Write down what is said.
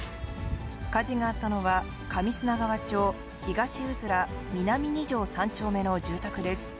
火事があったのは、上砂川町東鶉南２条３丁目の住宅です。